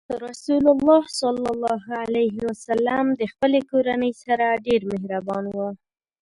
رسول الله ﷺ د خپلې کورنۍ سره ډېر مهربان و.